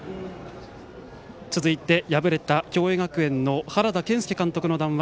続いて敗れた共栄学園の原田健輔監督の談話